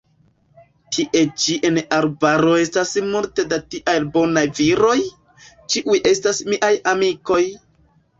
Tie ĉi en arbaro estas multe da tiaj bonaj viroj, ĉiuj estas miaj amikoj!